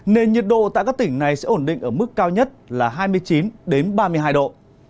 nền nhiệt độ tại các tỉnh này sẽ ổn định ở mức cao nhất là hai mươi chín ba mươi hai độ